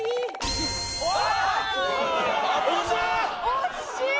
惜しい！